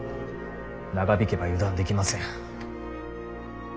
長引けば油断できません。